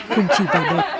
không chỉ vào đợt